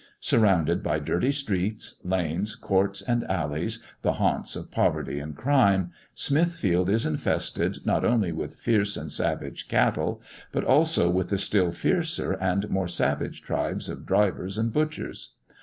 Surrounded by dirty streets, lanes, courts, and alleys, the haunts of poverty and crime, Smithfield is infested not only with fierce and savage cattle, but also with the still fiercer and more savage tribes of drivers and butchers.